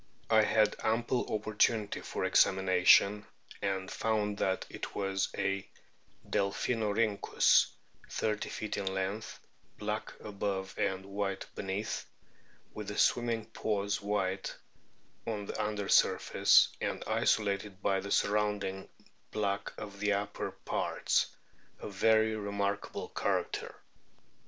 I had ample opportunity for examina tion, and found that it was a Delpkinorkynckus, thirty feet in length, black above and white beneath, with the swimming paws white on the under surface, and isolated by the surrounding black of the upper parts a very remarkable character.